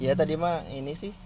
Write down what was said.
ya tadi mah ini sih